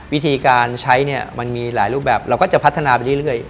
วิธีการใช้เนี่ยมันมีหลายรูปแบบเราก็จะพัฒนาไปเรื่อย